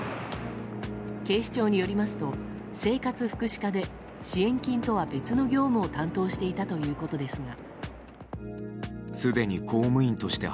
警視庁によりますと生活福祉課で支援金とは別の業務を担当していたということですが。